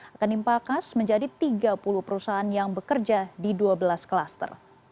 akan dimpakas menjadi tiga puluh perusahaan yang bekerja di dua belas klaster